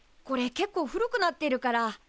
これけっこう古くなってるから。